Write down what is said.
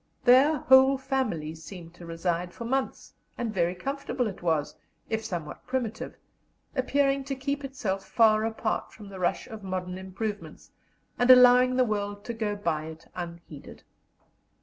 There whole families seemed to reside for months, and very comfortable it was, if somewhat primitive, appearing to keep itself far apart from the rush of modern improvements, and allowing the world to go by it unheeded.